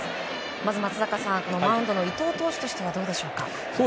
まず松坂さんマウンドの伊藤投手としてはいかがでしょうか。